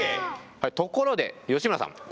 ところで吉村さん